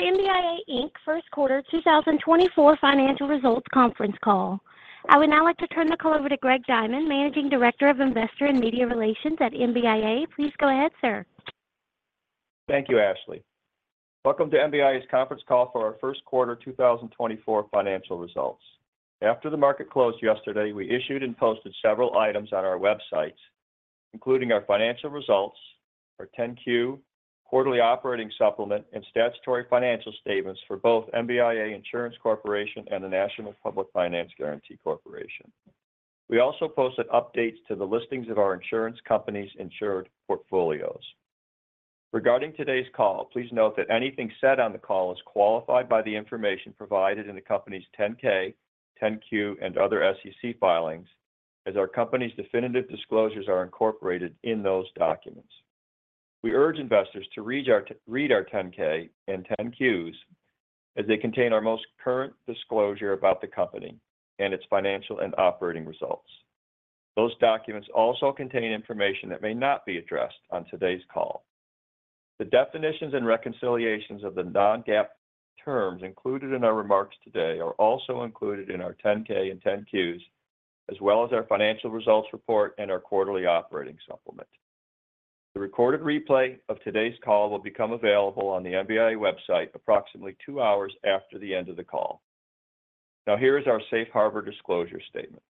Welcome to the MBIA Inc first quarter 2024 financial results conference call. I would now like to turn the call over to Greg Diamond, Managing Director of Investor and Media Relations at MBIA. Please go ahead, sir. Thank you, Ashley. Welcome to MBIA's conference call for our first quarter 2024 financial results. After the market closed yesterday, we issued and posted several items on our websites, including our financial results, our 10-Q quarterly operating supplement, and statutory financial statements for both MBIA Insurance Corporation and the National Public Finance Guarantee Corporation. We also posted updates to the listings of our insurance companies' insured portfolios. Regarding today's call, please note that anything said on the call is qualified by the information provided in the company's 10-K, 10-Q, and other SEC filings, as our company's definitive disclosures are incorporated in those documents. We urge investors to read our 10-K and 10-Qs, as they contain our most current disclosure about the company and its financial and operating results. Those documents also contain information that may not be addressed on today's call. The definitions and reconciliations of the non-GAAP terms included in our remarks today are also included in our 10-K and 10-Qs, as well as our financial results report and our quarterly operating supplement. The recorded replay of today's call will become available on the MBIA website approximately two hours after the end of the call. Now, here is our Safe Harbor disclosure statement.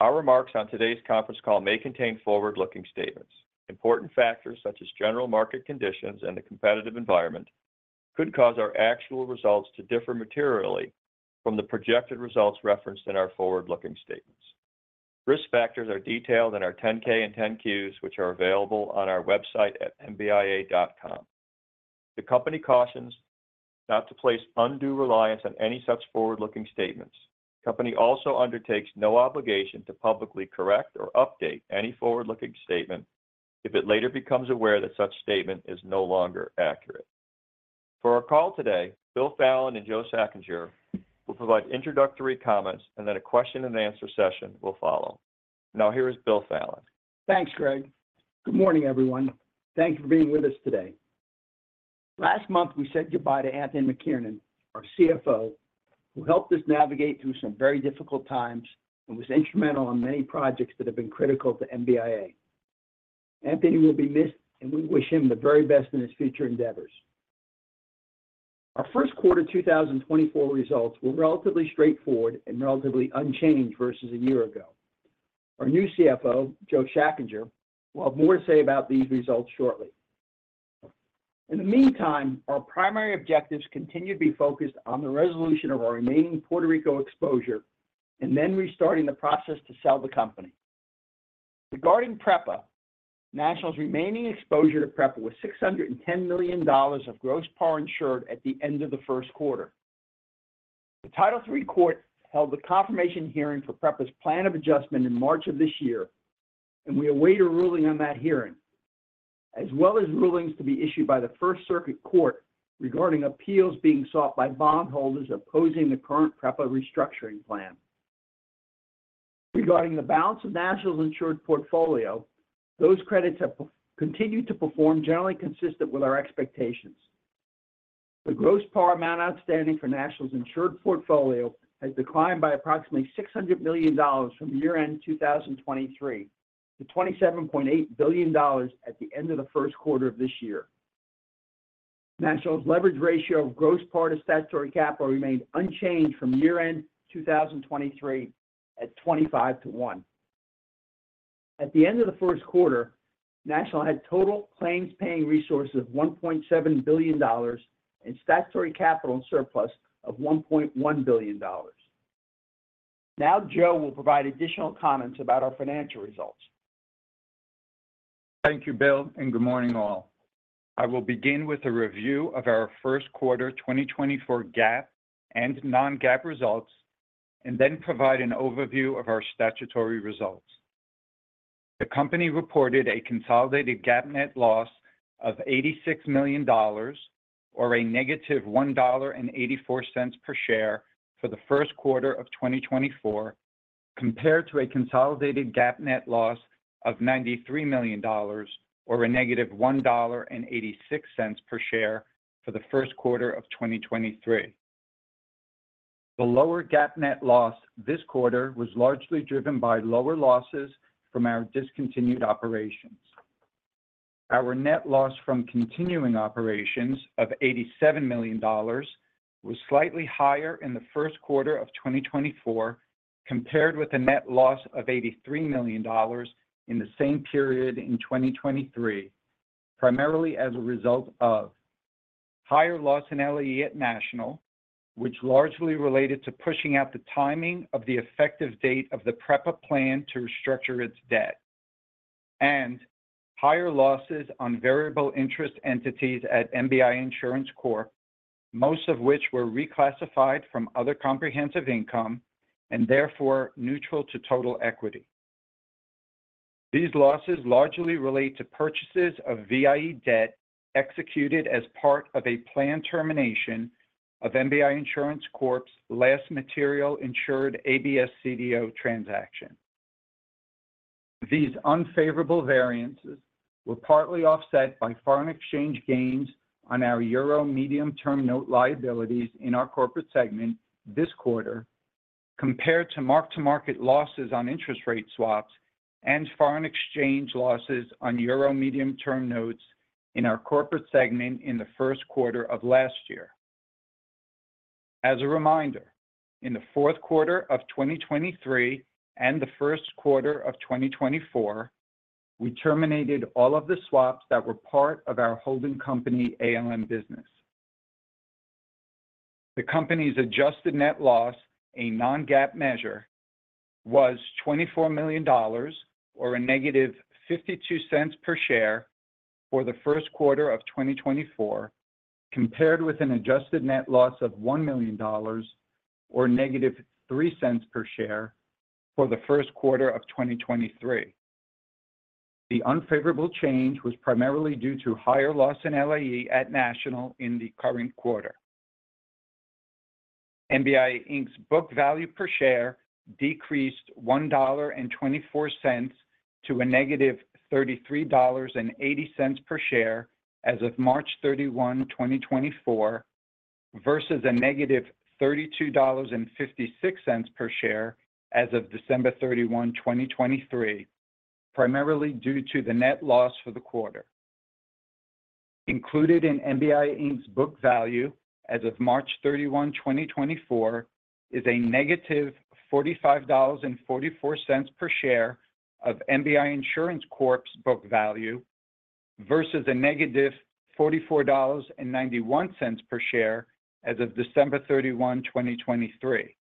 Our remarks on today's conference call may contain forward-looking statements. Important factors such as general market conditions and the competitive environment could cause our actual results to differ materially from the projected results referenced in our forward-looking statements. Risk factors are detailed in our 10-K and 10-Qs, which are available on our website at mbia.com. The company cautions not to place undue reliance on any such forward-looking statements. The company also undertakes no obligation to publicly correct or update any forward-looking statement if it later becomes aware that such statement is no longer accurate. For our call today, Bill Fallon and Joe Schachinger will provide introductory comments, and then a question-and-answer session will follow. Now, here is Bill Fallon. Thanks, Greg. Good morning, everyone. Thank you for being with us today. Last month, we said goodbye to Anthony McKiernan, our CFO, who helped us navigate through some very difficult times and was instrumental in many projects that have been critical to MBIA. Anthony will be missed, and we wish him the very best in his future endeavors. Our first quarter 2024 results were relatively straightforward and relatively unchanged versus a year ago. Our new CFO, Joe Schachinger, will have more to say about these results shortly. In the meantime, our primary objectives continue to be focused on the resolution of our remaining Puerto Rico exposure and then restarting the process to sell the company. Regarding PREPA, National's remaining exposure to PREPA was $610 million of gross par insured at the end of the first quarter. The Title III Court held the confirmation hearing for PREPA's plan of adjustment in March of this year, and we await a ruling on that hearing, as well as rulings to be issued by the First Circuit Court regarding appeals being sought by bondholders opposing the current PREPA restructuring plan. Regarding the balance of National's insured portfolio, those credits have continued to perform generally consistent with our expectations. The gross par amount outstanding for National's insured portfolio has declined by approximately $600 million from year-end 2023 to $27.8 billion at the end of the first quarter of this year. National's leverage ratio of gross par to statutory capital remained unchanged from year-end 2023 at 25 to 1. At the end of the first quarter, National had total claims-paying resources of $1.7 billion and statutory capital in surplus of $1.1 billion. Now, Joe will provide additional comments about our financial results. Thank you, Bill, and good morning all. I will begin with a review of our first quarter 2024 GAAP and non-GAAP results and then provide an overview of our statutory results. The company reported a consolidated GAAP net loss of $86 million, or a negative $1.84 per share for the first quarter of 2024, compared to a consolidated GAAP net loss of $93 million, or a negative $1.86 per share for the first quarter of 2023. The lower GAAP net loss this quarter was largely driven by lower losses from our discontinued operations. Our net loss from continuing operations of $87 million was slightly higher in the first quarter of 2024 compared with a net loss of $83 million in the same period in 2023, primarily as a result of higher loss and LAE at National, which largely related to pushing out the timing of the effective date of the PREPA plan to restructure its debt. And higher losses on variable interest entities at MBIA Insurance Corp, most of which were reclassified from other comprehensive income and therefore neutral to total equity. These losses largely relate to purchases of VIE debt executed as part of a plan termination of MBIA Insurance Corp's last material insured ABS-CDO transaction. These unfavorable variances were partly offset by foreign exchange gains on our Euro Medium-Term Note liabilities in our corporate segment this quarter, compared to mark-to-market losses on interest rate swaps and foreign exchange losses on Euro Medium-Term Notes in our corporate segment in the first quarter of last year. As a reminder, in the fourth quarter of 2023 and the first quarter of 2024, we terminated all of the swaps that were part of our holding company ALM Business. The company's adjusted net loss, a non-GAAP measure, was $24 million, or -$0.52 per share for the first quarter of 2024, compared with an adjusted net loss of $1 million, or -$0.03 per share for the first quarter of 2023. The unfavorable change was primarily due to higher loss and LAE at National in the current quarter. MBIA Inc's book value per share decreased $1.24 to a negative $33.80 per share as of March 31, 2024, versus a negative $32.56 per share as of December 31, 2023, primarily due to the net loss for the quarter. Included in MBIA Inc's book value as of March 31, 2024, is a negative $45.44 per share of MBIA Insurance Corp's book value versus a negative $44.91 per share as of December 31, 2023.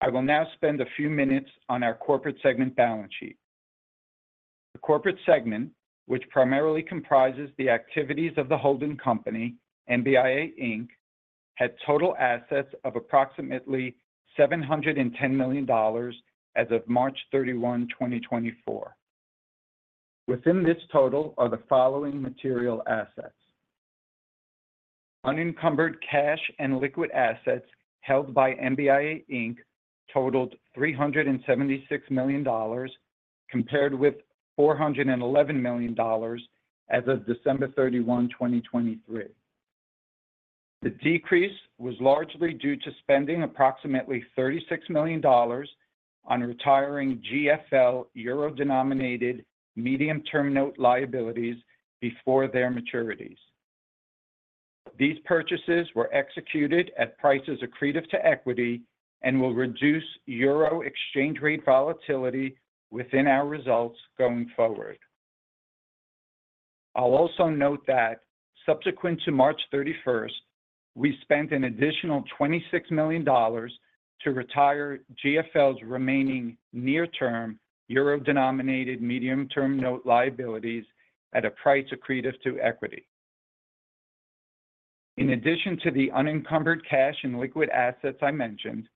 I will now spend a few minutes on our corporate segment balance sheet. The corporate segment, which primarily comprises the activities of the holding company, MBIA Inc, had total assets of approximately $710 million as of March 31, 2024. Within this total are the following material assets: unencumbered cash and liquid assets held by MBIA Inc totaled $376 million, compared with $411 million as of December 31, 2023. The decrease was largely due to spending approximately $36 million on retiring GFL euro-denominated medium-term note liabilities before their maturities. These purchases were executed at prices accretive to equity and will reduce euro exchange rate volatility within our results going forward. I'll also note that, subsequent to March 31st, we spent an additional $26 million to retire GFL's remaining near-term euro-denominated medium-term note liabilities at a price accretive to equity. In addition to the unencumbered cash and liquid assets I mentioned,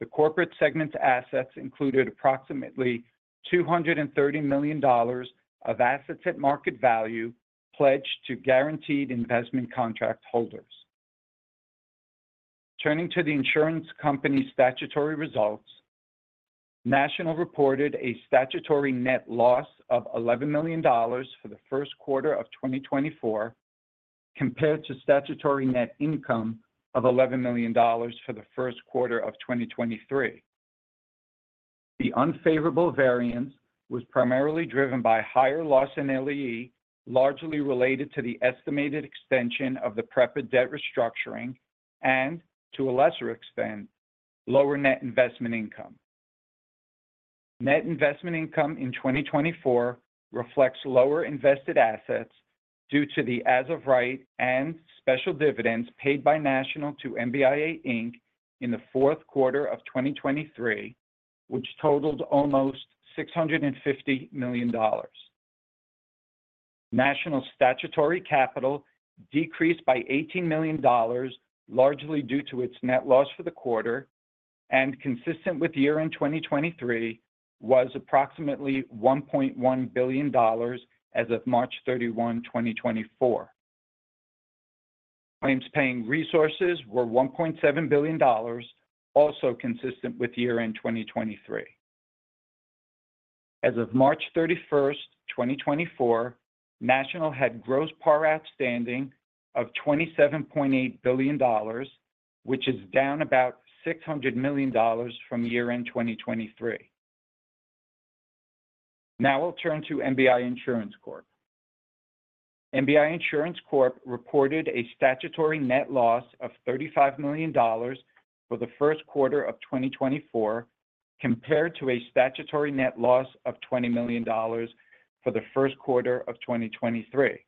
the corporate segment's assets included approximately $230 million of assets at market value pledged to guaranteed investment contract holders. Turning to the insurance company's statutory results, National reported a statutory net loss of $11 million for the first quarter of 2024, compared to statutory net income of $11 million for the first quarter of 2023. The unfavorable variance was primarily driven by higher Loss and LAE, largely related to the estimated extension of the PREPA debt restructuring and, to a lesser extent, lower net investment income. Net investment income in 2024 reflects lower invested assets due to the as-of-right and special dividends paid by National to MBIA Inc in the fourth quarter of 2023, which totaled almost $650 million. National's statutory capital decreased by $18 million, largely due to its net loss for the quarter and, consistent with year-end 2023, was approximately $1.1 billion as of March 31, 2024. Claims-paying resources were $1.7 billion, also consistent with year-end 2023. As of March 31, 2024, National had gross par outstanding of $27.8 billion, which is down about $600 million from year-end 2023. Now I'll turn to MBIA Insurance Corp. MBIA Insurance Corp reported a statutory net loss of $35 million for the first quarter of 2024, compared to a statutory net loss of $20 million for the first quarter of 2023.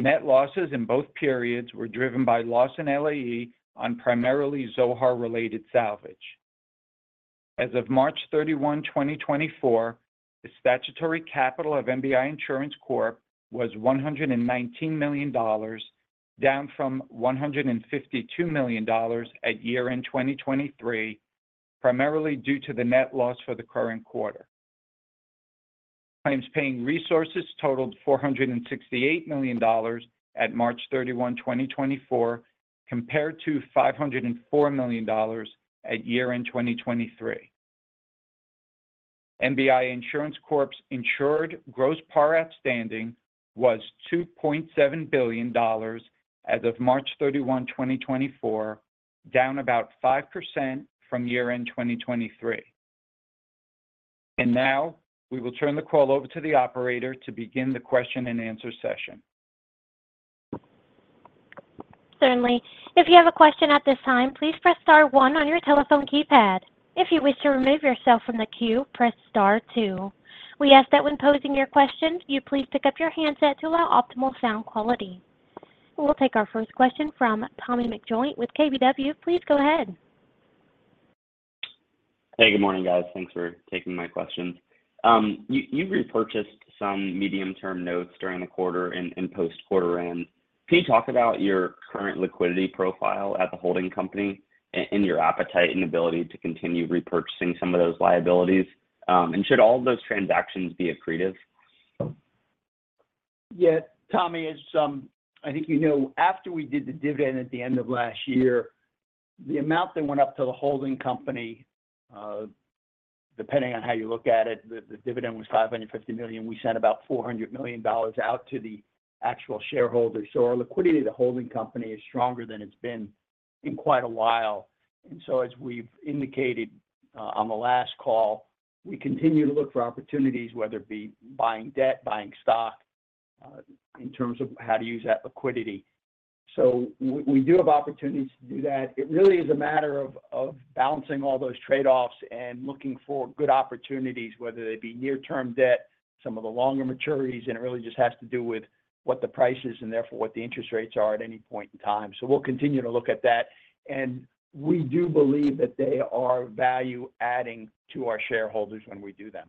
Net losses in both periods were driven by loss and LAE on primarily Zohar-related salvage. As of March 31, 2024, the statutory capital of MBIA Insurance Corp was $119 million, down from $152 million at year-end 2023, primarily due to the net loss for the current quarter. Claims-paying resources totaled $468 million at March 31, 2024, compared to $504 million at year-end 2023. MBIA Insurance Corp's insured gross par outstanding was $2.7 billion as of March 31, 2024, down about 5% from year-end 2023. Now we will turn the call over to the operator to begin the question-and-answer session. Certainly. If you have a question at this time, please press star one on your telephone keypad. If you wish to remove yourself from the queue, press star two. We ask that when posing your question, you please pick up your handset to allow optimal sound quality. We'll take our first question from Tommy McJoynt with KBW. Please go ahead. Hey, good morning, guys. Thanks for taking my questions. You repurchased some medium-term notes during the quarter and post-quarter end. Can you talk about your current liquidity profile at the holding company and your appetite and ability to continue repurchasing some of those liabilities? And should all of those transactions be accretive? Yes. Tommy, as I think you know, after we did the dividend at the end of last year, the amount that went up to the holding company, depending on how you look at it, the dividend was $550 million. We sent about $400 million out to the actual shareholders. So our liquidity of the holding company is stronger than it's been in quite a while. And so, as we've indicated on the last call, we continue to look for opportunities, whether it be buying debt, buying stock, in terms of how to use that liquidity. So we do have opportunities to do that. It really is a matter of balancing all those trade-offs and looking for good opportunities, whether they be near-term debt, some of the longer maturities. It really just has to do with what the price is and, therefore, what the interest rates are at any point in time. We'll continue to look at that. We do believe that they are value-adding to our shareholders when we do them.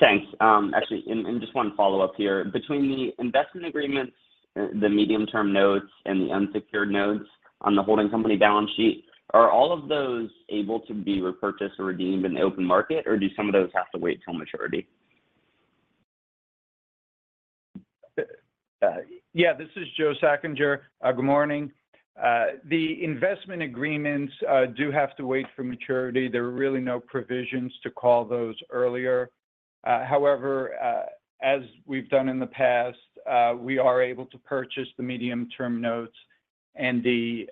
Thanks. Actually, I just want to follow up here. Between the investment agreements, the medium-term notes, and the unsecured notes on the holding company balance sheet, are all of those able to be repurchased or redeemed in the open market, or do some of those have to wait till maturity? Yeah. This is Joe Schachinger. Good morning. The investment agreements do have to wait for maturity. There are really no provisions to call those earlier. However, as we've done in the past, we are able to purchase the medium-term notes and the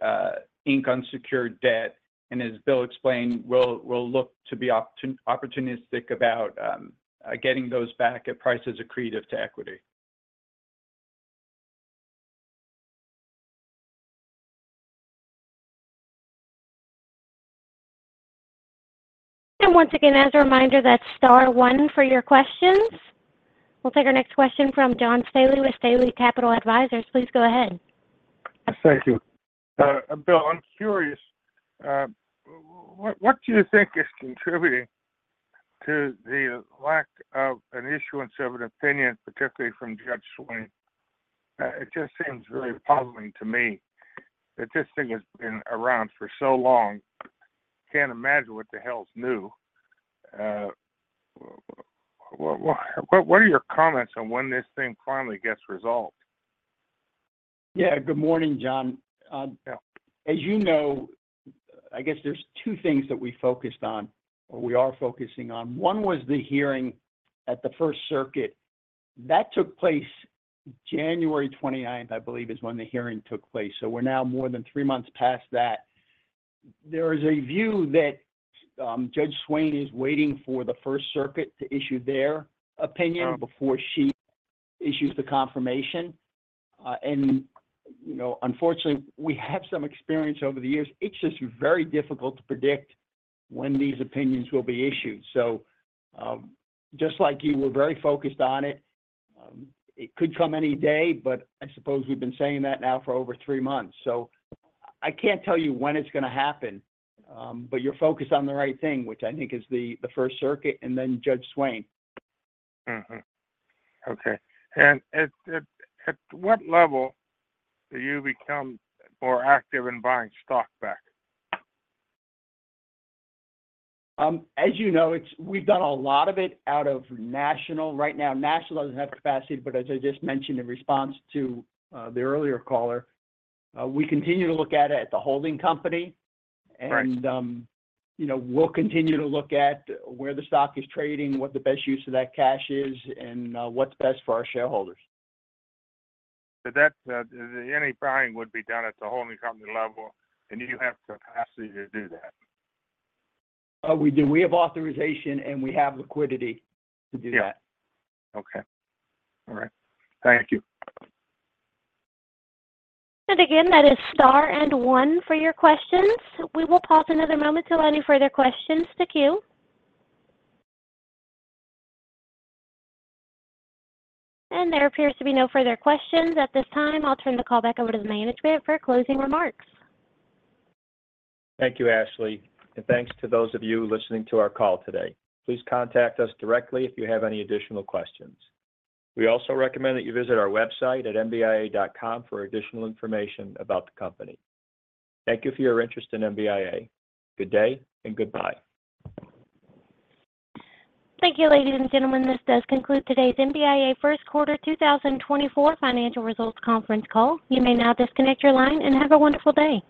Inc unsecured debt. And as Bill explained, we'll look to be opportunistic about getting those back at prices accretive to equity. Once again, as a reminder, that's star one for your questions. We'll take our next question from John Staley with Staley Capital Advisors. Please go ahead. Thank you. Bill, I'm curious. What do you think is contributing to the lack of an issuance of an opinion, particularly from Judge Swain? It just seems very puzzling to me. This thing has been around for so long. Can't imagine what the hell's new. What are your comments on when this thing finally gets resolved? Yeah. Good morning, John. As you know, I guess there are two things that we focused on or we are focusing on. One was the hearing at the First Circuit. That took place January 29th, I believe, is when the hearing took place. So we're now more than three months past that. There is a view that Judge Swain is waiting for the First Circuit to issue their opinion before she issues the confirmation. And unfortunately, we have some experience over the years. It's just very difficult to predict when these opinions will be issued. So just like you, we're very focused on it. It could come any day, but I suppose we've been saying that now for over three months. So I can't tell you when it's going to happen, but you're focused on the right thing, which I think is the First Circuit and then Judge Swain. Okay. And at what level do you become more active in buying stock back? As you know, we've done a lot of it out of National right now. National doesn't have capacity, but as I just mentioned in response to the earlier caller, we continue to look at it at the holding company. We'll continue to look at where the stock is trading, what the best use of that cash is, and what's best for our shareholders. Any buying would be done at the holding company level, and you have capacity to do that? We do. We have authorization, and we have liquidity to do that. Yeah. Okay. All right. Thank you. Again, that is star and one for your questions. We will pause another moment to allow any further questions to queue. There appears to be no further questions at this time. I'll turn the call back over to the management for closing remarks. Thank you, Ashley. Thanks to those of you listening to our call today. Please contact us directly if you have any additional questions. We also recommend that you visit our website at mbia.com for additional information about the company. Thank you for your interest in MBIA. Good day and goodbye. Thank you, ladies and gentlemen. This does conclude today's MBIA first quarter 2024 financial results conference call. You may now disconnect your line and have a wonderful day.